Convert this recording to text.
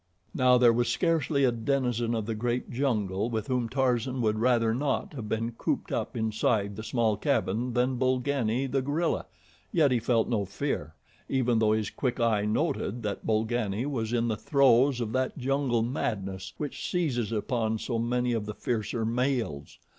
Now there was scarcely a denizen of the great jungle with whom Tarzan would rather not have been cooped up inside the small cabin than Bolgani, the gorilla, yet he felt no fear, even though his quick eye noted that Bolgani was in the throes of that jungle madness which seizes upon so many of the fiercer males.